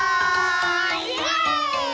イェーイ！